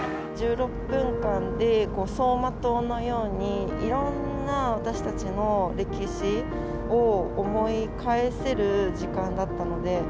１６分間で、走馬灯のように、いろんな私たちの歴史を思い返せる時間だったので。